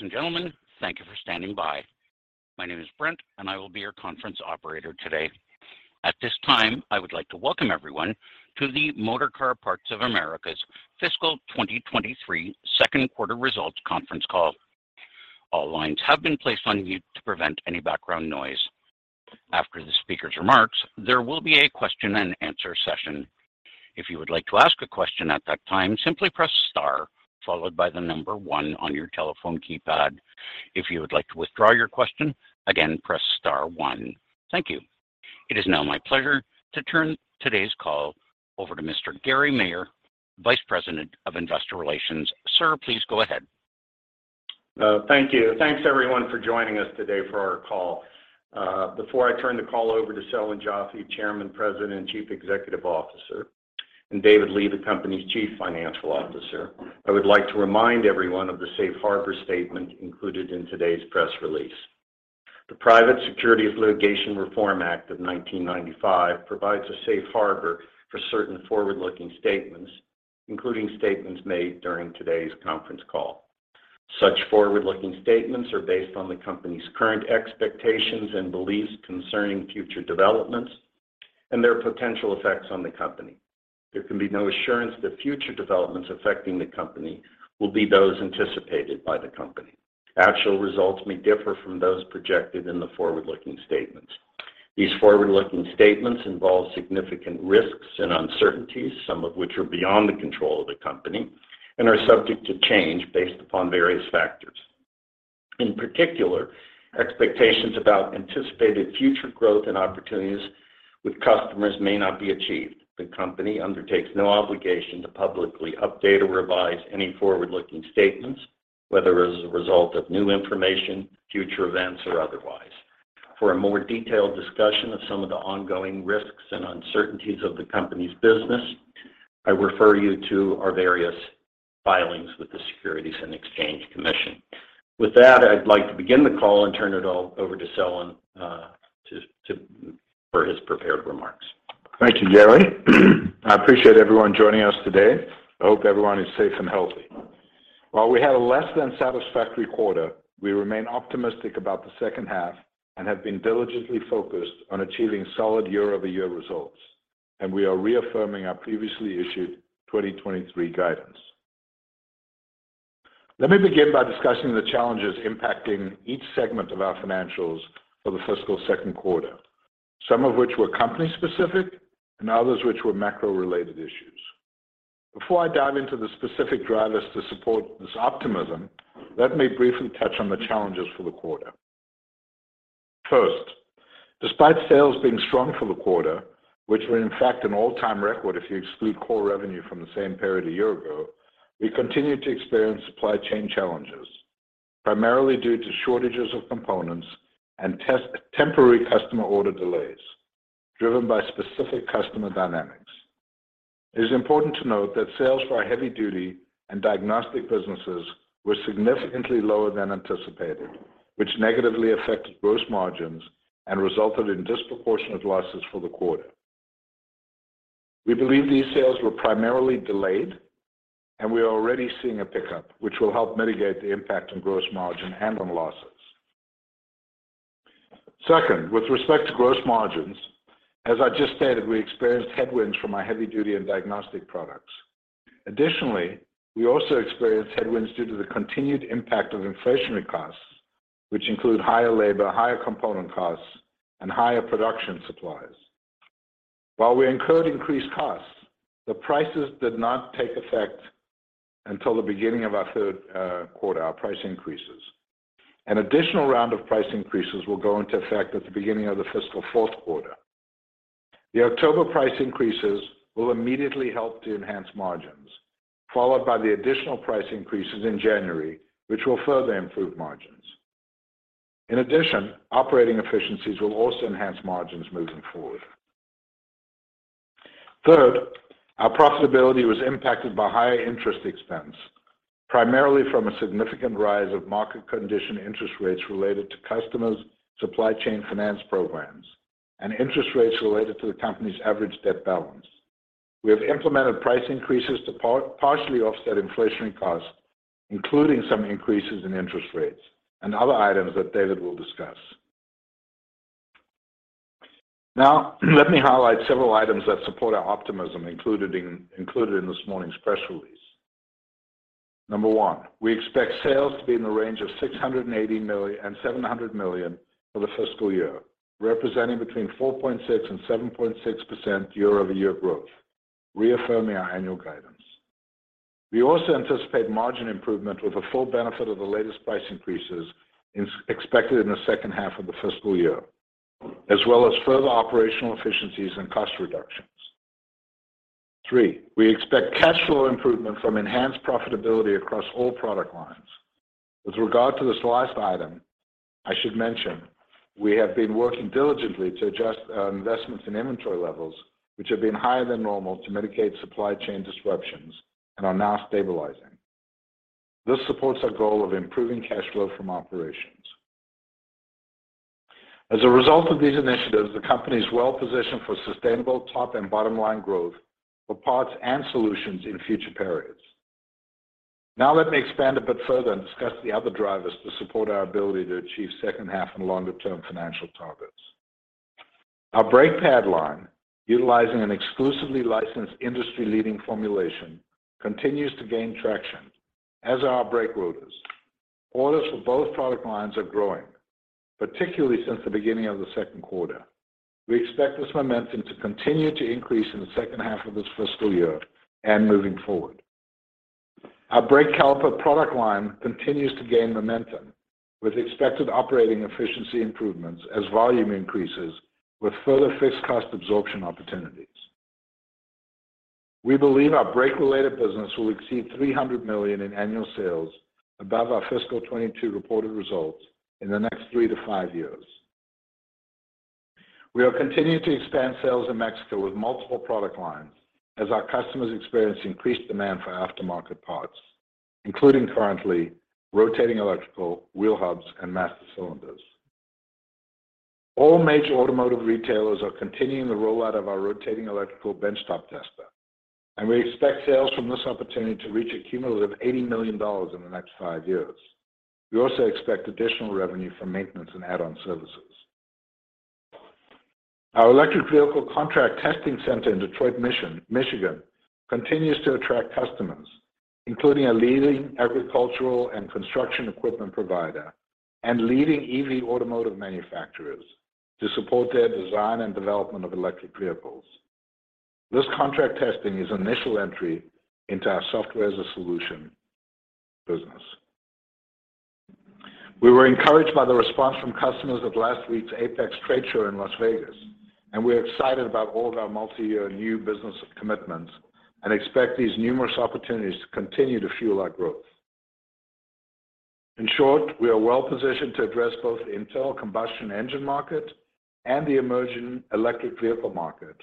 Ladies and gentlemen, thank you for standing by. My name is Brent, and I will be your conference operator today. At this time, I would like to welcome everyone to the Motorcar Parts of America's fiscal 2023 second quarter results conference call. All lines have been placed on mute to prevent any background noise. After the speaker's remarks, there will be a question-and-answer session. If you would like to ask a question at that time, simply press star followed by the number one on your telephone keypad. If you would like to withdraw your question, again, press star-one. Thank you. It is now my pleasure to turn today's call over to Mr. Gary Maier, Vice President of Investor Relations. Sir, please go ahead. Thank you. Thanks everyone for joining us today for our call. Before I turn the call over to Selwyn Joffe, Chairman, President, and Chief Executive Officer, and David Lee, the company's Chief Financial Officer, I would like to remind everyone of the safe harbor statement included in today's press release. The Private Securities Litigation Reform Act of 1995 provides a safe harbor for certain forward-looking statements, including statements made during today's conference call. Such forward-looking statements are based on the company's current expectations and beliefs concerning future developments and their potential effects on the company. There can be no assurance that future developments affecting the company will be those anticipated by the company. Actual results may differ from those projected in the forward-looking statements. These forward-looking statements involve significant risks and uncertainties, some of which are beyond the control of the company, and are subject to change based upon various factors. In particular, expectations about anticipated future growth and opportunities with customers may not be achieved. The company undertakes no obligation to publicly update or revise any forward-looking statements, whether as a result of new information, future events, or otherwise. For a more detailed discussion of some of the ongoing risks and uncertainties of the company's business, I refer you to our various filings with the Securities and Exchange Commission. With that, I'd like to begin the call and turn it all over to Selwyn for his prepared remarks. Thank you, Gary. I appreciate everyone joining us today. I hope everyone is safe and healthy. While we had a less than satisfactory quarter, we remain optimistic about the second half and have been diligently focused on achieving solid year-over-year results, and we are reaffirming our previously issued 2023 guidance. Let me begin by discussing the challenges impacting each segment of our financials for the fiscal second quarter. Some of which were company-specific and others which were macro-related issues. Before I dive into the specific drivers to support this optimism, let me briefly touch on the challenges for the quarter. First, despite sales being strong for the quarter, which were in fact an all-time record if you exclude core revenue from the same period a year ago, we continued to experience supply chain challenges, primarily due to shortages of components and temporary customer order delays driven by specific customer dynamics. It is important to note that sales for our heavy duty and diagnostic businesses were significantly lower than anticipated, which negatively affected gross margins and resulted in disproportionate losses for the quarter. We believe these sales were primarily delayed, and we are already seeing a pickup, which will help mitigate the impact on gross margin and on losses. Second, with respect to gross margins, as I just stated, we experienced headwinds from our heavy duty and diagnostic products. Additionally, we also experienced headwinds due to the continued impact of inflationary costs, which include higher labor, higher component costs, and higher production supplies. While we incurred increased costs, the prices did not take effect until the beginning of our third quarter, our price increases. An additional round of price increases will go into effect at the beginning of the fiscal fourth quarter. The October price increases will immediately help to enhance margins, followed by the additional price increases in January, which will further improve margins. In addition, operating efficiencies will also enhance margins moving forward. Third, our profitability was impacted by higher interest expense, primarily from a significant rise of market condition interest rates related to customers' supply chain finance programs and interest rates related to the company's average debt balance. We have implemented price increases to partially offset inflationary costs, including some increases in interest rates and other items that David will discuss. Now, let me highlight several items that support our optimism included in this morning's press release. Number one, we expect sales to be in the range of $680 million-$700 million for the fiscal year, representing between 4.6% and 7.6% year-over-year growth, reaffirming our annual guidance. We also anticipate margin improvement with the full benefit of the latest price increases expected in the second half of the fiscal year, as well as further operational efficiencies and cost reductions. Three, we expect cash flow improvement from enhanced profitability across all product lines. With regard to this last item, I should mention we have been working diligently to adjust our investments in inventory levels, which have been higher than normal to mitigate supply chain disruptions and are now stabilizing. This supports our goal of improving cash flow from operations. As a result of these initiatives, the company is well-positioned for sustainable top and bottom-line growth for parts and solutions in future periods. Now let me expand a bit further and discuss the other drivers to support our ability to achieve second half and longer-term financial targets. Our brake pad line, utilizing an exclusively licensed industry-leading formulation, continues to gain traction, as are our brake rotors. Orders for both product lines are growing, particularly since the beginning of the second quarter. We expect this momentum to continue to increase in the second half of this fiscal year and moving forward. Our brake caliper product line continues to gain momentum with expected operating efficiency improvements as volume increases with further fixed cost absorption opportunities. We believe our brake-related business will exceed $300 million in annual sales above our fiscal 2022 reported results in the next three to five years. We are continuing to expand sales in Mexico with multiple product lines as our customers experience increased demand for aftermarket parts, including currently rotating electrical, wheel hubs, and master cylinders. All major automotive retailers are continuing the rollout of our rotating electrical benchtop tester, and we expect sales from this opportunity to reach a cumulative $80 million in the next five years. We also expect additional revenue from maintenance and add-on services. Our electric vehicle contract testing center in Detroit, Michigan, continues to attract customers, including a leading agricultural and construction equipment provider and leading EV automotive manufacturers to support their design and development of electric vehicles. This contract testing is our initial entry into our software as a service business. We were encouraged by the response from customers at last week's AAPEX Trade Show in Las Vegas, and we're excited about all of our multiyear new business commitments and expect these numerous opportunities to continue to fuel our growth. In short, we are well-positioned to address both the internal combustion engine market and the emerging electric vehicle market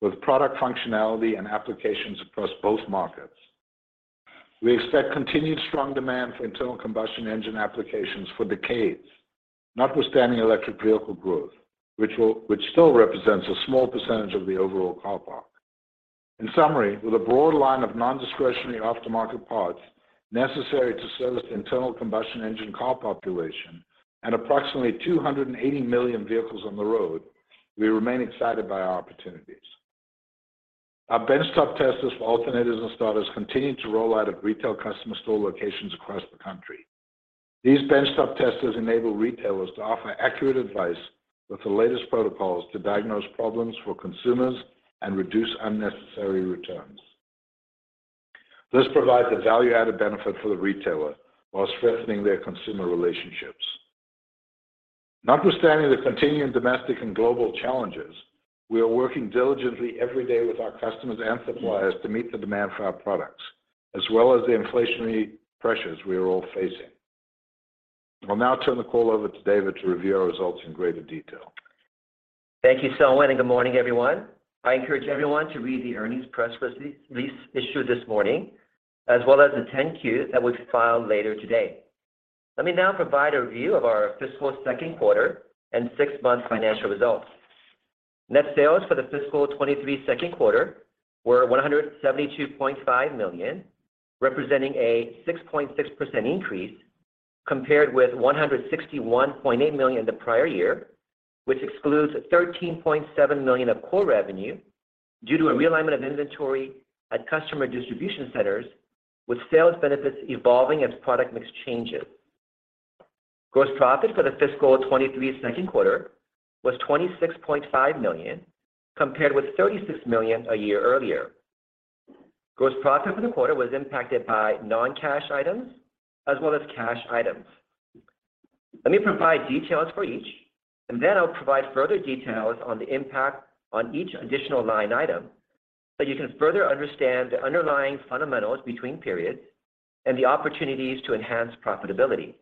with product functionality and applications across both markets. We expect continued strong demand for internal combustion engine applications for decades, notwithstanding electric vehicle growth, which still represents a small percentage of the overall car park. In summary, with a broad line of nondiscretionary aftermarket parts necessary to service the internal combustion engine car population and approximately 280 million vehicles on the road, we remain excited by our opportunities. Our benchtop testers for alternators and starters continue to roll out at retail customer store locations across the country. These benchtop testers enable retailers to offer accurate advice with the latest protocols to diagnose problems for consumers and reduce unnecessary returns. This provides a value-added benefit for the retailer while strengthening their consumer relationships. Notwithstanding the continuing domestic and global challenges, we are working diligently every day with our customers and suppliers to meet the demand for our products as well as the inflationary pressures we are all facing. I'll now turn the call over to David to review our results in greater detail. Thank you, Selwyn, and good morning, everyone. I encourage everyone to read the earnings press release issued this morning as well as the Form 10-Q that we file later today. Let me now provide a review of our fiscal 2023 second quarter and six-month financial results. Net sales for the fiscal 2023 second quarter were $172.5 million, representing a 6.6% increase compared with $161.8 million the prior year, which excludes $13.7 million of core revenue due to a realignment of inventory at customer distribution centers with sales benefits evolving as product mix changes. Gross profit for the fiscal 2023 second quarter was $26.5 million compared with $36 million a year earlier. Gross profit for the quarter was impacted by non-cash items as well as cash items. Let me provide details for each, and then I'll provide further details on the impact on each additional line item so you can further understand the underlying fundamentals between periods and the opportunities to enhance profitability.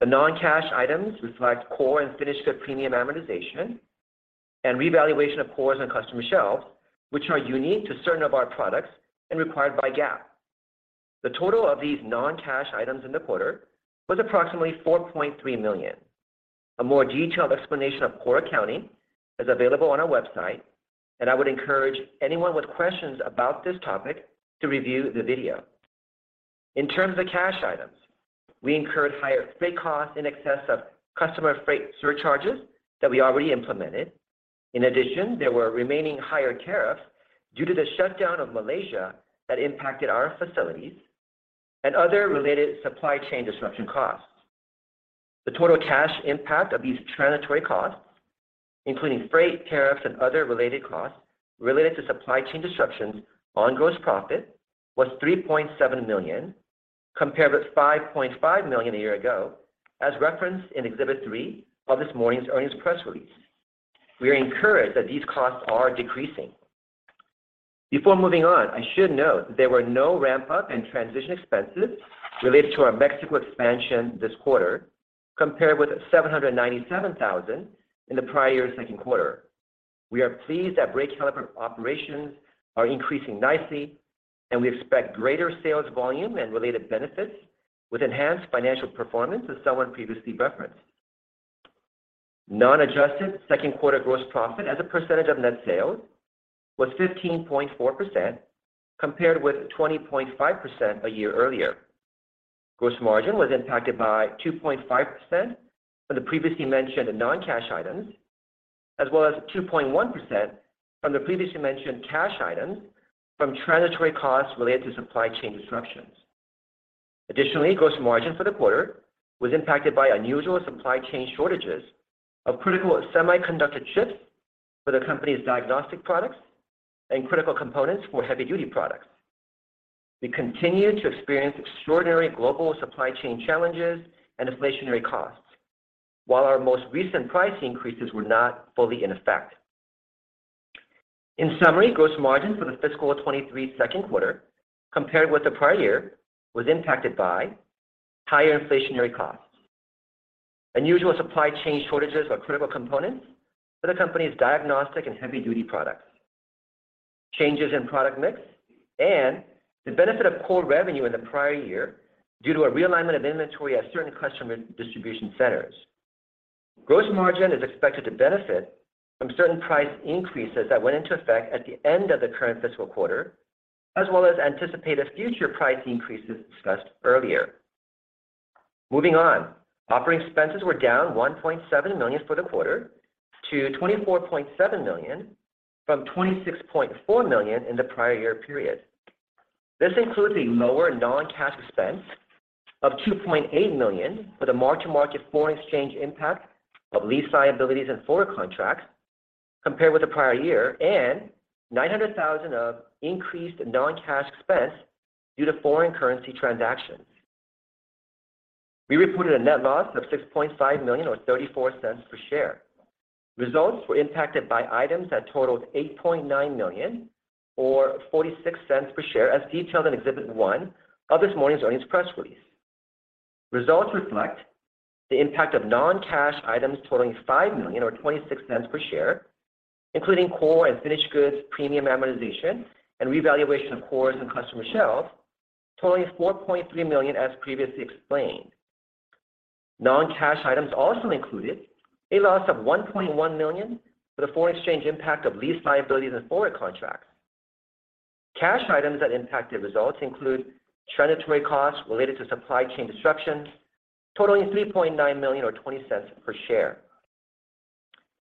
The non-cash items reflect core and finished goods premium amortization and revaluation of cores on customer shelves, which are unique to certain of our products and required by GAAP. The total of these non-cash items in the quarter was approximately $4.3 million. A more detailed explanation of core accounting is available on our website, and I would encourage anyone with questions about this topic to review the video. In terms of cash items, we incurred higher freight costs in excess of customer freight surcharges that we already implemented. In addition, there were remaining higher tariffs due to the shutdown of Malaysia that impacted our facilities and other related supply chain disruption costs. The total cash impact of these transitory costs, including freight, tariffs, and other related costs related to supply chain disruptions on gross profit was $3.7 million compared with $5.5 million a year ago as referenced in Exhibit 3 of this morning's earnings press release. We are encouraged that these costs are decreasing. Before moving on, I should note that there were no ramp-up and transition expenses related to our Mexico expansion this quarter compared with $797,000 in the prior year second quarter. We are pleased that brake caliper operations are increasing nicely, and we expect greater sales volume and related benefits with enhanced financial performance as someone previously referenced. Non-adjusted second quarter gross profit as a percentage of net sales was 15.4% compared with 20.5% a year earlier. Gross margin was impacted by 2.5% from the previously mentioned non-cash items, as well as 2.1% from the previously mentioned cash items from transitory costs related to supply chain disruptions. Additionally, gross margin for the quarter was impacted by unusual supply chain shortages of critical semiconductor chips for the company's diagnostic products and critical components for heavy-duty products. We continue to experience extraordinary global supply chain challenges and inflationary costs, while our most recent price increases were not fully in effect. In summary, gross margin for the fiscal 2023 second quarter compared with the prior year was impacted by higher inflationary costs, unusual supply chain shortages of critical components for the company's diagnostic and heavy-duty products, changes in product mix, and the benefit of core revenue in the prior year due to a realignment of inventory at certain customer distribution centers. Gross margin is expected to benefit from certain price increases that went into effect at the end of the current fiscal quarter, as well as anticipated future price increases discussed earlier. Moving on. Operating expenses were down $1.7 million for the quarter to $24.7 million from $26.4 million in the prior year period. This includes a lower non-cash expense of $2.8 million for the mark-to-market foreign exchange impact of lease liabilities and forward contracts compared with the prior year and $900,000 of increased non-cash expense due to foreign currency transactions. We reported a net loss of $6.5 million or $0.34 per share. Results were impacted by items that totaled $8.9 million or $0.46 per share, as detailed in Exhibit 1 of this morning's earnings press release. Results reflect the impact of non-cash items totaling $5 million or $0.26 per share, including core and finished goods premium amortization and revaluation of cores and customer shelves, totaling $4.3 million as previously explained. Non-cash items also included a loss of $1.1 million for the foreign exchange impact of lease liabilities and forward contracts. Cash items that impacted results include transitory costs related to supply chain disruptions totaling $3.9 million or $0.20 per share.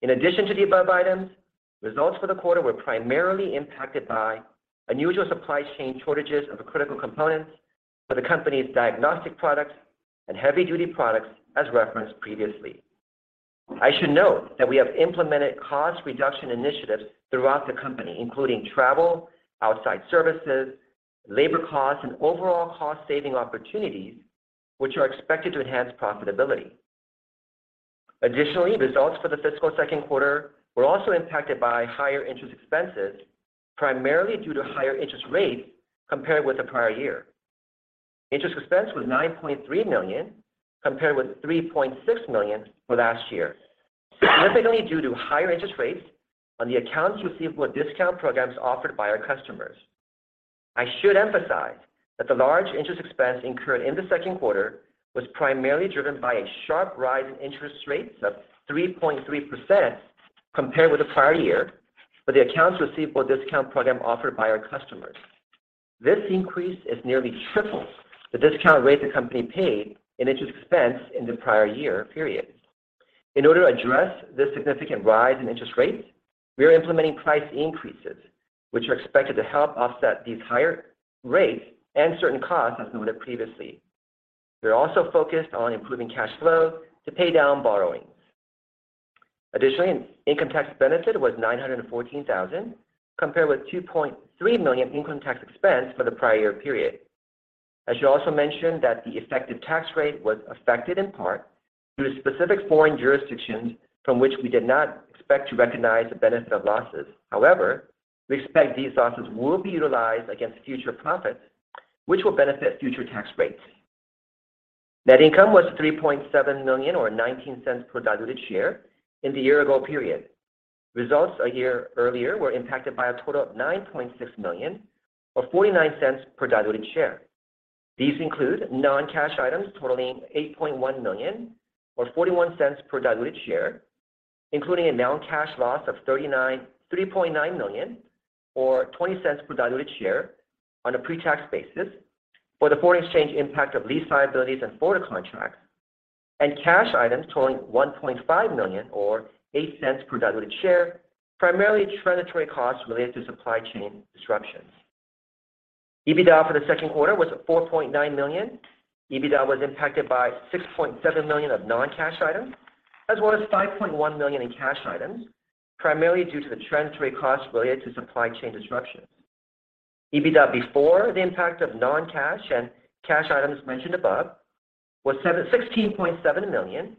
In addition to the above items, results for the quarter were primarily impacted by unusual supply chain shortages of critical components for the company's diagnostic products and heavy-duty products, as referenced previously. I should note that we have implemented cost reduction initiatives throughout the company, including travel, outside services, labor costs, and overall cost-saving opportunities, which are expected to enhance profitability. Additionally, results for the fiscal second quarter were also impacted by higher interest expenses, primarily due to higher interest rates compared with the prior year. Interest expense was $9.3 million compared with $3.6 million for last year, significantly due to higher interest rates on the accounts receivable discount programs offered by our customers. I should emphasize that the large interest expense incurred in the second quarter was primarily driven by a sharp rise in interest rates of 3.3% compared with the prior year for the accounts receivable discount program offered by our customers. This increase is nearly triple the discount rate the company paid in interest expense in the prior year period. In order to address this significant rise in interest rates, we are implementing price increases, which are expected to help offset these higher rates and certain costs, as noted previously. We are also focused on improving cash flow to pay down borrowings. Additionally, income tax benefit was $914,000, compared with $2.3 million income tax expense for the prior year period. I should also mention that the effective tax rate was affected in part due to specific foreign jurisdictions from which we did not expect to recognize the benefit of losses. However, we expect these losses will be utilized against future profits, which will benefit future tax rates. Net income was $3.7 million or $0.19 per diluted share in the year-ago period. Results a year earlier were impacted by a total of $9.6 million or $0.49 per diluted share. These include non-cash items totaling $8.1 million or $0.41 per diluted share, including a non-cash loss of $3.9 million or $0.20 per diluted share on a pre-tax basis for the foreign exchange impact of lease liabilities and forward contracts, and cash items totaling $1.5 million or $0.08 per diluted share, primarily transitory costs related to supply chain disruptions. EBITDA for the second quarter was $4.9 million. EBITDA was impacted by $6.7 million of non-cash items as well as $5.1 million in cash items, primarily due to the transitory costs related to supply chain disruptions. EBITDA before the impact of non-cash and cash items mentioned above was $16.7 million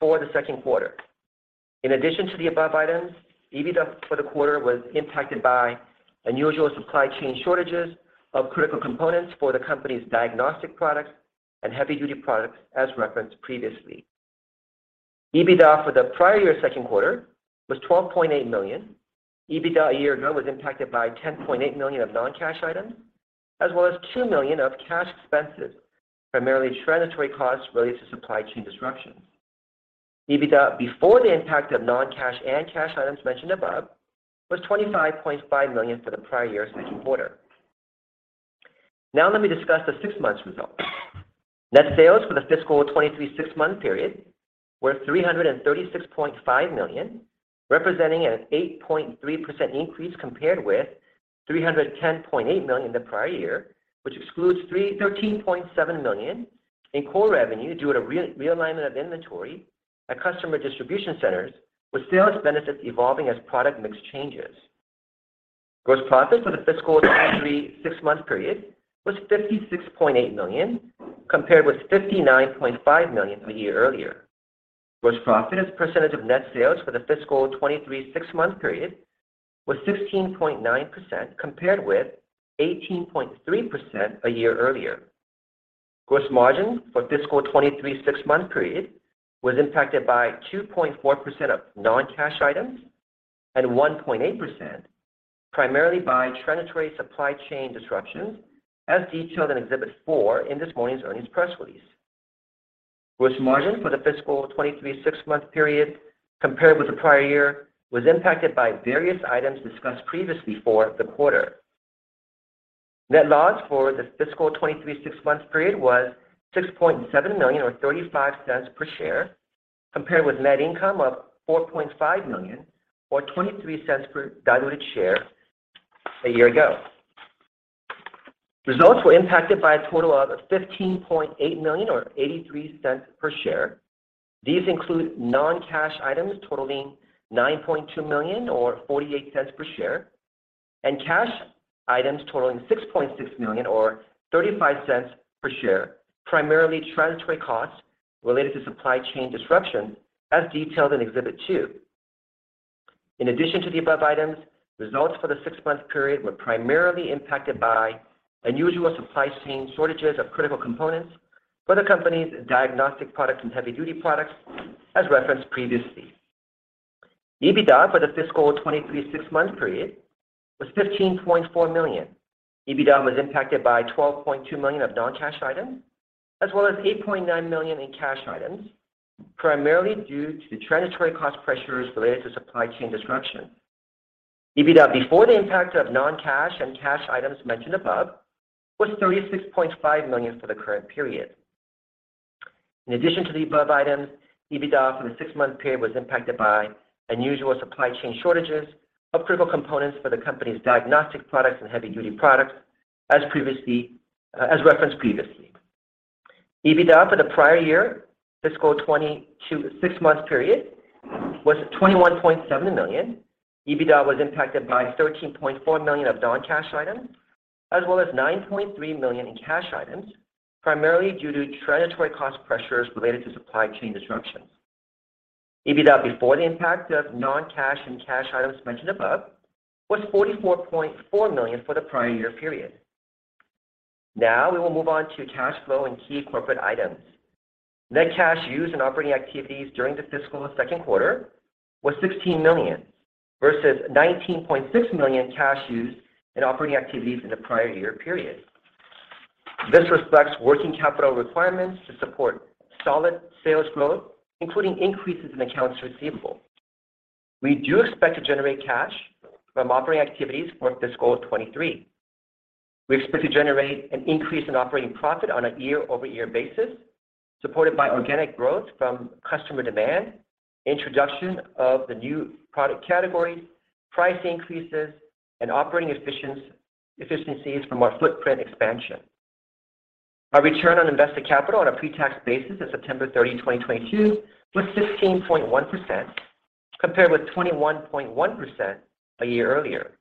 for the second quarter. In addition to the above items, EBITDA for the quarter was impacted by unusual supply chain shortages of critical components for the company's diagnostic products and heavy duty products as referenced previously. EBITDA for the prior year second quarter was $12.8 million. EBITDA a year ago was impacted by $10.8 million of non-cash items, as well as $2 million of cash expenses, primarily transitory costs related to supply chain disruptions. EBITDA before the impact of non-cash and cash items mentioned above was $25.5 million for the prior year's second quarter. Now let me discuss the six months results. Net sales for the fiscal 2023 six-month period were $336.5 million, representing an 8.3% increase compared with $310.8 million the prior year, which excludes $13.7 million in core revenue due to a realignment of inventory at customer distribution centers, with sales benefits evolving as product mix changes. Gross profit for the fiscal 2023 six-month period was $56.8 million, compared with $59.5 million from a year earlier. Gross profit as a percentage of net sales for the fiscal 2023 six-month period was 16.9%, compared with 18.3% a year earlier. Gross margin for fiscal 2023 six-month period was impacted by 2.4% of non-cash items and 1.8% primarily by transitory supply chain disruptions, as detailed in Exhibit 4 in this morning's earnings press release. Gross margin for the fiscal 2023 six-month period compared with the prior year was impacted by various items discussed previously for the quarter. Net loss for the fiscal 2023 six-month period was $6.7 million, or $0.35 per share, compared with net income of $4.5 million, or $0.23 per diluted share a year ago. Results were impacted by a total of $15.8 million or $0.83 per share. These include non-cash items totaling $9.2 million or $0.48 per share, and cash items totaling $6.6 million or $0.35 per share, primarily transitory costs related to supply chain disruption, as detailed in Exhibit 2. In addition to the above items, results for the six-month period were primarily impacted by unusual supply chain shortages of critical components for the company's diagnostic products and heavy duty products, as referenced previously. EBITDA for the fiscal 2023 six-month period was $15.4 million. EBITDA was impacted by $12.2 million of non-cash items, as well as $8.9 million in cash items, primarily due to transitory cost pressures related to supply chain disruption. EBITDA before the impact of non-cash and cash items mentioned above was $36.5 million for the current period. In addition to the above items, EBITDA for the six-month period was impacted by unusual supply chain shortages of critical components for the company's diagnostic products and heavy duty products, as referenced previously. EBITDA for the prior year, fiscal 2022 six-month period was $21.7 million. EBITDA was impacted by $13.4 million of non-cash items, as well as $9.3 million in cash items, primarily due to transitory cost pressures related to supply chain disruptions. EBITDA before the impact of non-cash and cash items mentioned above was $44.4 million for the prior year period. Now we will move on to cash flow and key corporate items. Net cash used in operating activities during the fiscal second quarter was $16 million, versus $19.6 million cash used in operating activities in the prior year period. This reflects working capital requirements to support solid sales growth, including increases in accounts receivable. We do expect to generate cash from operating activities for fiscal 2023. We expect to generate an increase in operating profit on a year-over-year basis, supported by organic growth from customer demand, introduction of the new product categories, price increases, and operating efficiencies from our footprint expansion. Our return on invested capital on a pre-tax basis as of September 30, 2022 was 15.1%, compared with 21.1% a year earlier.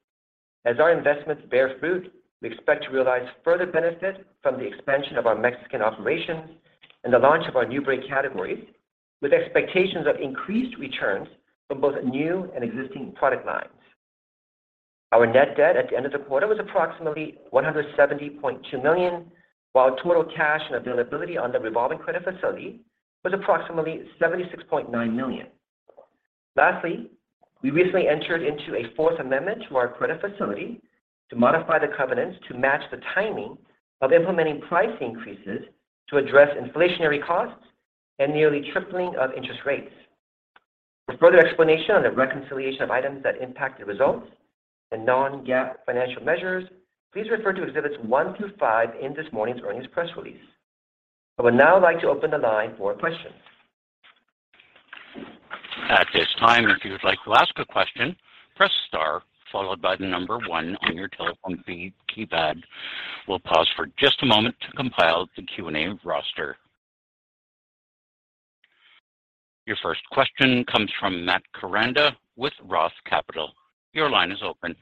As our investments bear fruit, we expect to realize further benefit from the expansion of our Mexican operations and the launch of our new brake categories, with expectations of increased returns from both new and existing product lines. Our net debt at the end of the quarter was approximately $170.2 million, while total cash and availability on the revolving credit facility was approximately $76.9 million. Lastly, we recently entered into a fourth amendment to our credit facility to modify the covenants to match the timing of implementing price increases to address inflationary costs and nearly tripling of interest rates. For further explanation on the reconciliation of items that impact the results and non-GAAP financial measures, please refer to Exhibits 1 through 5 in this morning's earnings press release. I would now like to open the line for questions. At this time, if you would like to ask a question, press star followed by the number one on your telephone keypad. We'll pause for just a moment to compile the Q&A roster. Your first question comes from Matt Koranda with Roth Capital Partners. Your line is open.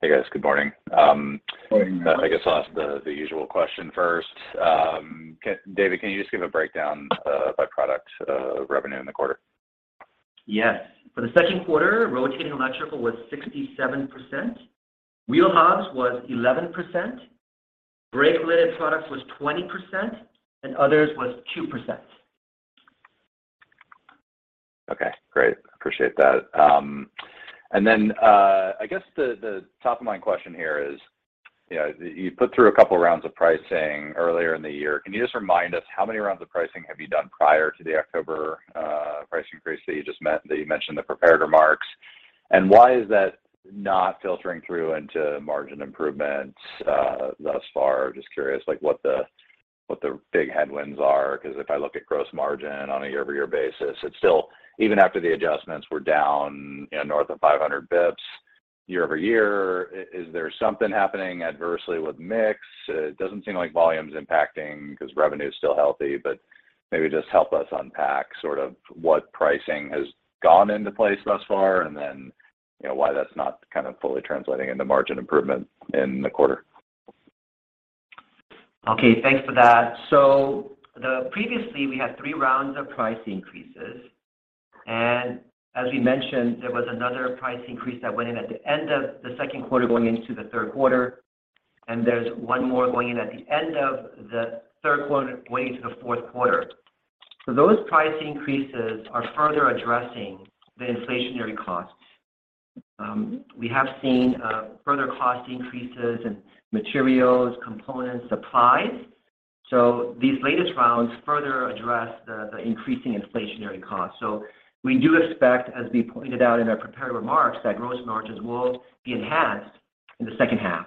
Hey, guys. Good morning. Morning, Matt. I guess I'll ask the usual question first. David, can you just give a breakdown by product revenue in the quarter? Yes. For the second quarter, rotating electrical was 67%, wheel hubs was 11%, brake-related products was 20%, and others was 2%. Okay, great. Appreciate that. Then I guess the top-of-mind question here is, you know, you put through a couple rounds of pricing earlier in the year. Can you just remind us how many rounds of pricing have you done prior to the October price increase that you mentioned in the prepared remarks? And why is that not filtering through into margin improvements thus far? Just curious, like, what the big headwinds are because if I look at gross margin on a year-over-year basis, it's still even after the adjustments, we're down, you know, north of 500 basis points year-over-year. Is there something happening adversely with mix? It doesn't seem like volume's impacting 'cause revenue is still healthy, but maybe just help us unpack sort of what pricing has gone into place thus far and then, you know, why that's not kind of fully translating into margin improvement in the quarter. Okay, thanks for that. Previously, we had three rounds of price increases, and as we mentioned, there was another price increase that went in at the end of the second quarter going into the third quarter, and there's one more going in at the end of the third quarter going into the fourth quarter. Those price increases are further addressing the inflationary costs. We have seen further cost increases in materials, components, supplies, so these latest rounds further address the increasing inflationary costs. We do expect, as we pointed out in our prepared remarks, that gross margins will be enhanced in the second half.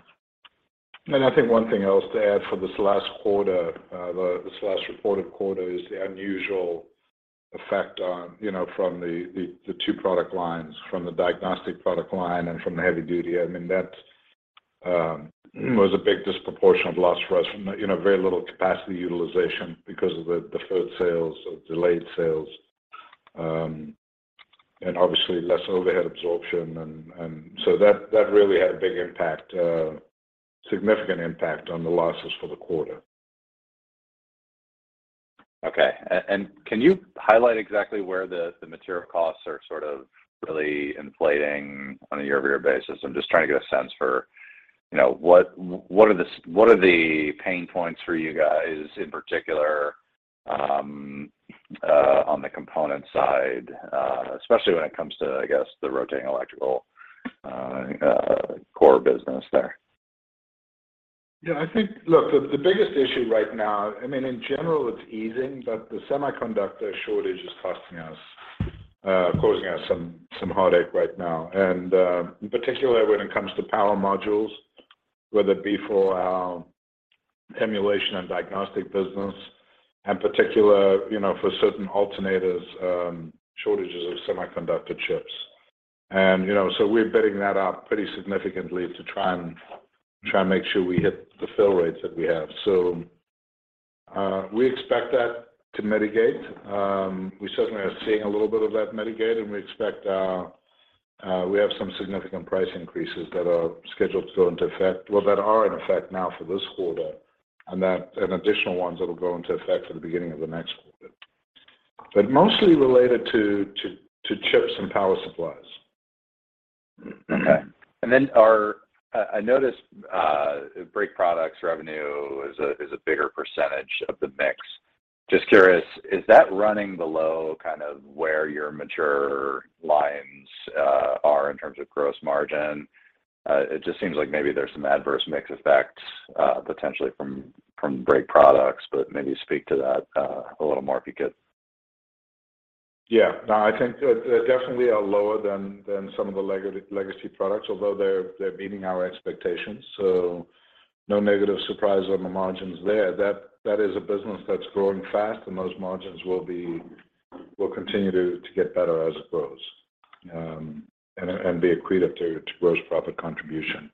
I think one thing else to add for this last quarter, this last reported quarter is the unusual effect, you know, from the two product lines, from the diagnostic product line and from the heavy-duty. I mean, that was a big disproportionate loss for us from, you know, very little capacity utilization because of the deferred sales or delayed sales, and obviously less overhead absorption and so that really had a big impact, significant impact on the losses for the quarter. Okay. Can you highlight exactly where the material costs are sort of really inflating on a year-over-year basis? I'm just trying to get a sense for, you know, what are the pain points for you guys in particular, on the component side, especially when it comes to, I guess, the rotating electrical core business there? Yeah, I think, look, the biggest issue right now, I mean, in general it's easing, but the semiconductor shortage is causing us some heartache right now, and in particular when it comes to power modules, whether it be for our emulation and diagnostic business, you know, for certain alternators, shortages of semiconductor chips. You know, we're bidding that out pretty significantly to try and make sure we hit the fill rates that we have. We expect that to mitigate. We certainly are seeing a little bit of that mitigate, and we expect we have some significant price increases that are in effect now for this quarter and additional ones that'll go into effect for the beginning of the next quarter. Mostly related to chips and power supplies. Okay. I noticed brake products revenue is a bigger percentage of the mix. Just curious, is that running below kind of where your mature lines are in terms of gross margin? It just seems like maybe there's some adverse mix effects potentially from brake products, but maybe speak to that a little more if you could. Yeah. No, I think they're definitely lower than some of the legacy products, although they're meeting our expectations, so no negative surprise on the margins there. That is a business that's growing fast, and those margins will continue to get better as it grows, and be accretive to gross profit contribution.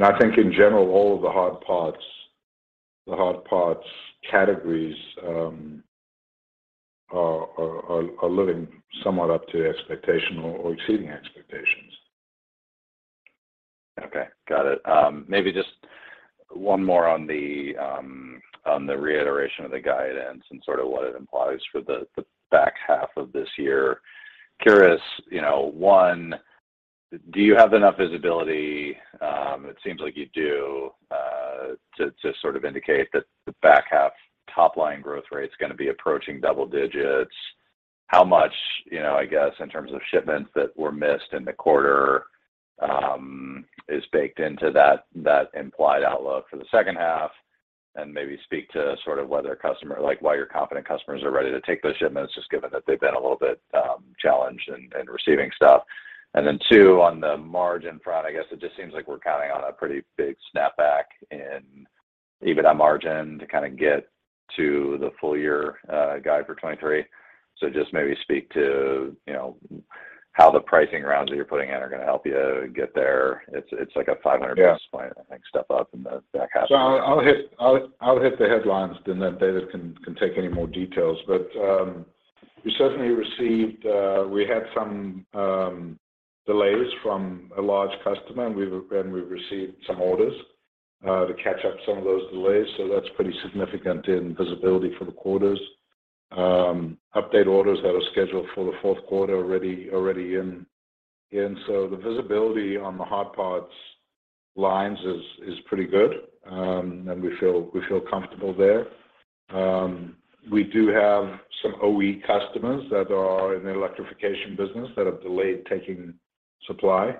I think in general, all of the hard parts categories are living somewhat up to expectation or exceeding expectations. Okay. Got it. Maybe just one more on the reiteration of the guidance and sort of what it implies for the back half of this year. Curious, you know, one, do you have enough visibility, it seems like you do, to sort of indicate that the back half top line growth rate's gonna be approaching double digits? How much, you know, I guess in terms of shipments that were missed in the quarter, is baked into that implied outlook for the second half? Maybe speak to sort of whether, like, why you're confident customers are ready to take those shipments just given that they've been a little bit challenged in receiving stuff. Then two, on the margin front, I guess it just seems like we're counting on a pretty big snapback in EBITDA margin to kind of get to the full year guide for 2023. Just maybe speak to, you know, how the pricing rounds that you're putting in are gonna help you get there. It's like a 500 basis point, I think, step up in the back half. I'll hit the headlines, then David can take any more details. We had some delays from a large customer, and we've received some orders to catch up some of those delays, so that's pretty significant visibility for the quarters. Updated orders that are scheduled for the fourth quarter already in. The visibility on the hard parts lines is pretty good, and we feel comfortable there. We do have some OE customers that are in the electrification business that have delayed taking supply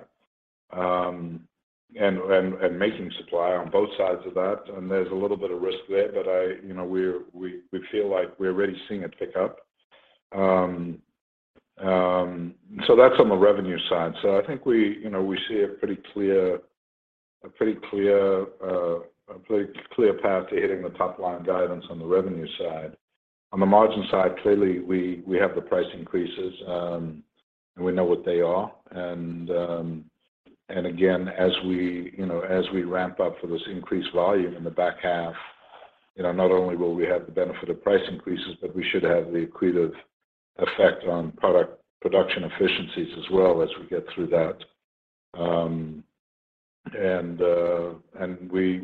and making supply on both sides of that. There's a little bit of risk there, but you know, we feel like we're already seeing it pick up. That's on the revenue side. I think we, you know, we see a pretty clear path to hitting the top line guidance on the revenue side. On the margin side, clearly we have the price increases, and we know what they are. Again, as we, you know, ramp up for this increased volume in the back half, you know, not only will we have the benefit of price increases, but we should have the accretive effect on product production efficiencies as well as we get through that.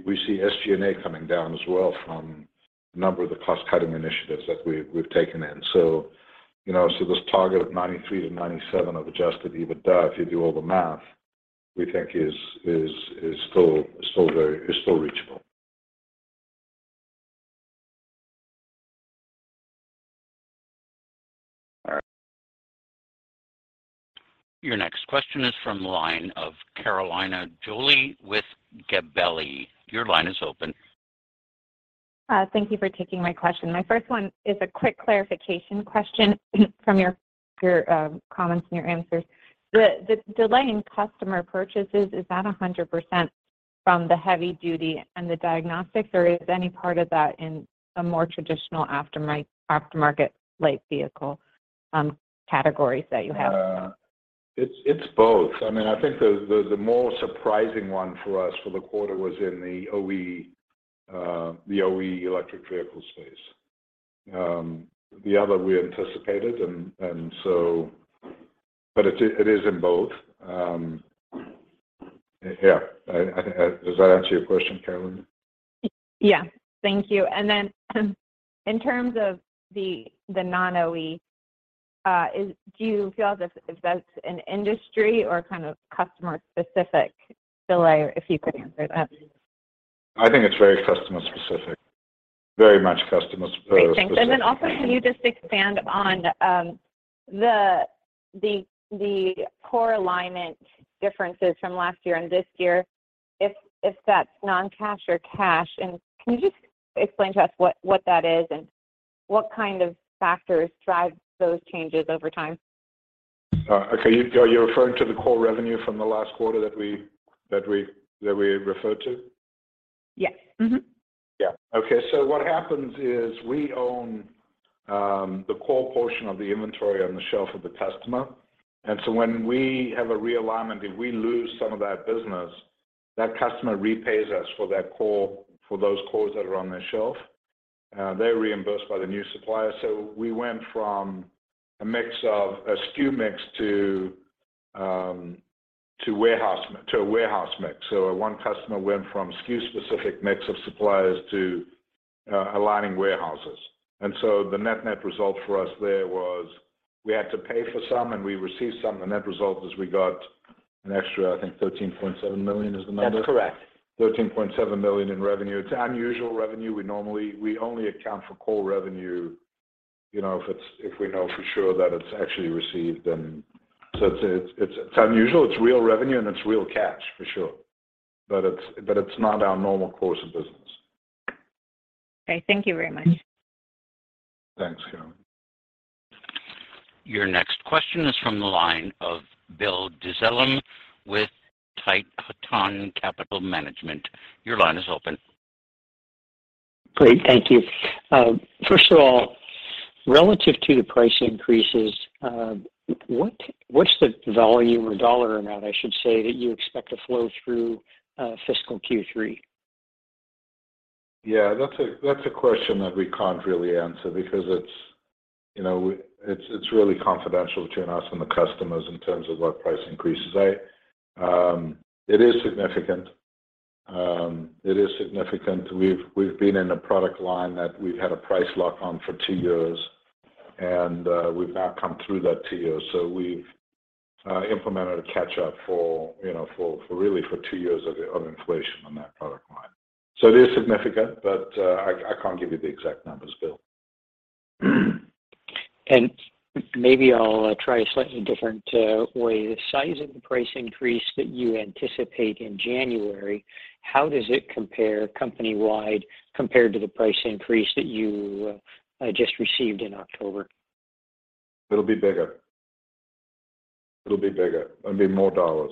We see SG&A coming down as well from a number of the cost-cutting initiatives that we've taken in. You know, so this target of $93-$97 of adjusted EBITDA, if you do all the math, we think is still reachable. Your next question is from the line of Carolina Jolly with Gabelli. Your line is open. Thank you for taking my question. My first one is a quick clarification question from your comments and your answers. The delay in customer purchases, is that 100% from the heavy duty and the diagnostics, or is any part of that in the more traditional aftermarket light vehicle categories that you have? It's both. I mean, I think the more surprising one for us for the quarter was in the OE electric vehicle space. The other we anticipated and so. It is in both. Yeah. Does that answer your question, Carolina? Yeah. Thank you. In terms of the non-OE, do you feel as if that's an industry or kind of customer-specific delay, if you could answer that? I think it's very customer specific. Very much customer specific. Great, thanks. Also can you just expand on the core alignment differences from last year and this year, if that's non-cash or cash? Can you just explain to us what that is and what kind of factors drive those changes over time? Okay. Are you referring to the core revenue from the last quarter that we referred to? Yes. Mm-hmm. Yeah. Okay. What happens is we own the core portion of the inventory on the shelf of the customer. When we have a realignment, if we lose some of that business, that customer repays us for that core, for those cores that are on their shelf. They're reimbursed by the new supplier. We went from a SKU mix to a warehouse mix. One customer went from SKU-specific mix of suppliers to aligning warehouses. The net-net result for us there was we had to pay for some, and we received some. The net result is we got an extra, I think $13.7 million is the number that's correct. $13.7 million in revenue. It's unusual revenue. We only account for core revenue, you know, if we know for sure that it's actually received. It's unusual. It's real revenue, and it's real cash for sure. It's not our normal course of business. Okay. Thank you very much. Thanks, Carolina. Your next question is from the line of Bill Dezellem with Tieton Capital Management. Your line is open. Great. Thank you. First of all, relative to the price increases, what's the volume or dollar amount, I should say, that you expect to flow through, fiscal Q3? Yeah. That's a question that we can't really answer because it's, you know, really confidential between us and the customers in terms of what price increases are. It is significant. We've been in a product line that we've had a price lock on for two years, and we've now come through that two years. We've implemented a catch-up for, you know, really for two years of inflation on that product line. It is significant, but I can't give you the exact numbers, Bill. Maybe I'll try a slightly different way. The size of the price increase that you anticipate in January, how does it compare company-wide compared to the price increase that you just received in October? It'll be bigger. It'll be more dollars.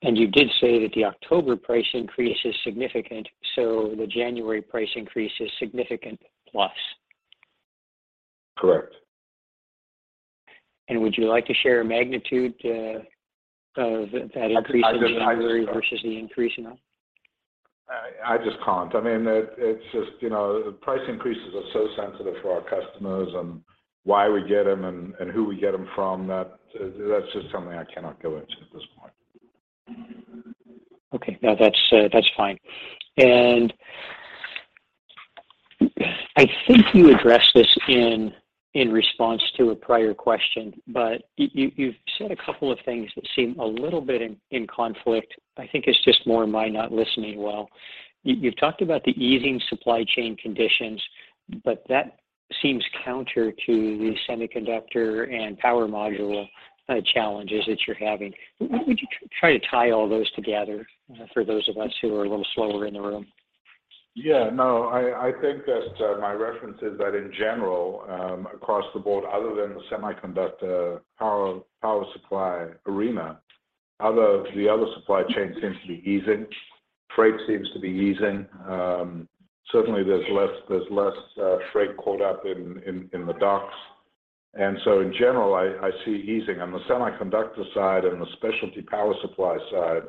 You did say that the October price increase is significant, so the January price increase is significant plus? Correct. Would you like to share a magnitude of that increase in January versus the increase in October? I just can't. I mean, it's just, you know, price increases are so sensitive for our customers and why we get them and who we get them from, that's just something I cannot go into at this point. Okay. No, that's fine. I think you addressed this in response to a prior question, but you've said a couple of things that seem a little bit in conflict. I think it's just more my not listening well. You've talked about the easing supply chain conditions, but that seems counter to the semiconductor and power module challenges that you're having. Would you try to tie all those together for those of us who are a little slower in the room? Yeah, no, I think that my reference is that in general, across the board, other than the semiconductor power supply arena, the other supply chain seems to be easing. Freight seems to be easing. Certainly there's less freight caught up in the docks. In general, I see easing. On the semiconductor side and the specialty power supply side,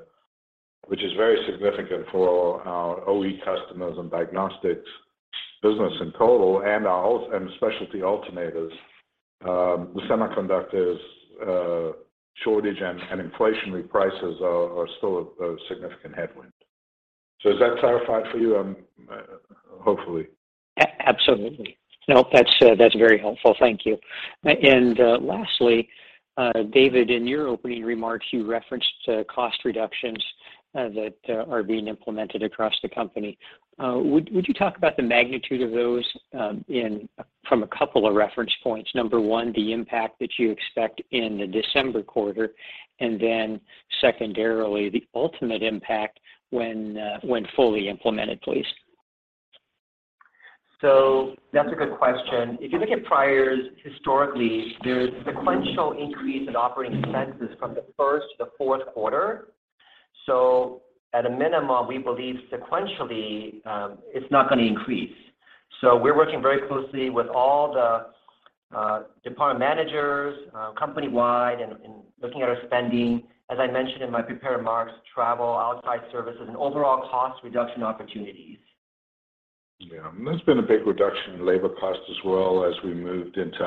which is very significant for our OE customers and diagnostics business in total and our specialty alternators, the semiconductors shortage and inflationary prices are still a significant headwind. Does that clarify for you? Hopefully. Absolutely. No, that's very helpful. Thank you. Lastly, David, in your opening remarks, you referenced cost reductions that are being implemented across the company. Would you talk about the magnitude of those from a couple of reference points? Number one, the impact that you expect in the December quarter, and then secondarily, the ultimate impact when fully implemented, please. That's a good question. If you look at priors historically, there's sequential increase in operating expenses from the first to the fourth quarter. At a minimum, we believe sequentially, it's not gonna increase. We're working very closely with all the department managers company-wide and looking at our spending, as I mentioned in my prepared remarks, travel, outside services, and overall cost reduction opportunities. Yeah. There's been a big reduction in labor costs as well as we moved into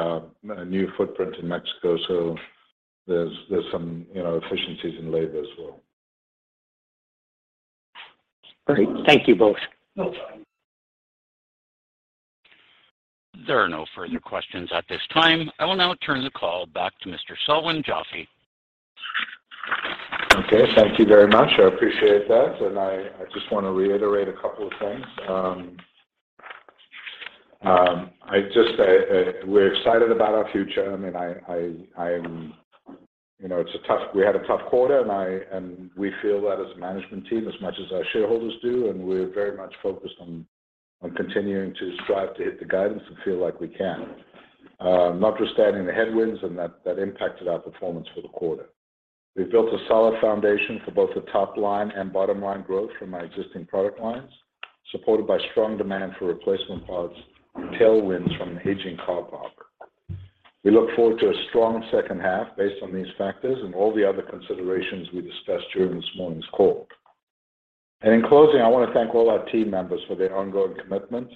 a new footprint in Mexico. There's some, you know, efficiencies in labor as well. Great. Thank you both. No problem. There are no further questions at this time. I will now turn the call back to Mr. Selwyn Joffe. Okay. Thank you very much. I appreciate that. I just want to reiterate a couple of things. We're excited about our future. I mean, you know, we had a tough quarter, and we feel that as a management team as much as our shareholders do, and we're very much focused on continuing to strive to hit the guidance and feel like we can, notwithstanding the headwinds and that impacted our performance for the quarter. We've built a solid foundation for both the top line and bottom line growth from our existing product lines, supported by strong demand for replacement parts and tailwinds from an aging car park. We look forward to a strong second half based on these factors and all the other considerations we discussed during this morning's call. In closing, I want to thank all our team members for their ongoing commitment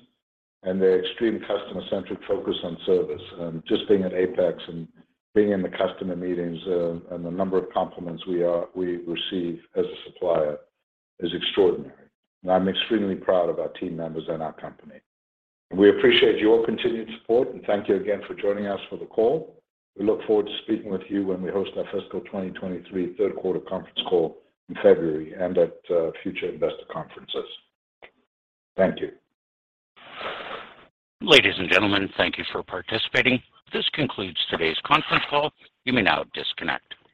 and their extreme customer-centric focus on service. Just being at AAPEX and being in the customer meetings and the number of compliments we receive as a supplier is extraordinary, and I'm extremely proud of our team members and our company. We appreciate your continued support, and thank you again for joining us for the call. We look forward to speaking with you when we host our fiscal 2023 third quarter conference call in February and at future investor conferences. Thank you. Ladies and gentlemen, thank you for participating. This concludes today's conference call. You may now disconnect.